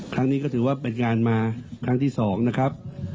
ครั้งนี้ก็ถือว่าเป็นงานมาครั้งที่๒นะครับ